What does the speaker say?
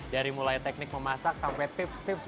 dari mulai teknik memasak sampai tips tips